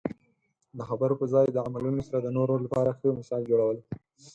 د خبرو په ځای د عملونو سره د نورو لپاره ښه مثال جوړول.